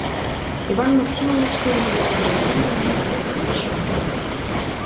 Иван Максимович ден Зинаида Васильевна тыланет полышым пуат.